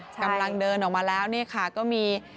กำลังเดินออกมาแล้วเนี่ยค่ะก็มี